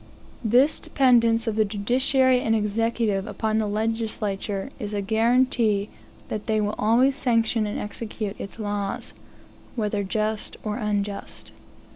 This dependence of the judiciary and executive upon the legislature is a guaranty that they will always sanction and execute its laws, whether just or unjust.